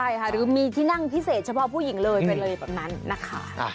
ใช่ค่ะหรือมีที่นั่งพิเศษเฉพาะผู้หญิงเลยไปเลยแบบนั้นนะคะ